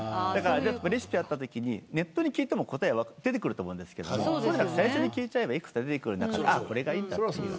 レシピを聞きたいときにネットに聞いても出てくると思うんですけどとにかく最初に聞いちゃえばいくつか出てくる中でああ、これがいいんだという。